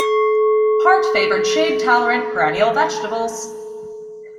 Hart favoured shade tolerant perennial vegetables.